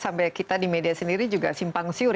sampai kita di media sendiri juga simpang siur